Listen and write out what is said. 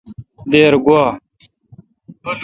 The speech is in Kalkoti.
دیر گوا۔